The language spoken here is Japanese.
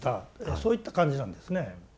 そういった感じなんですね。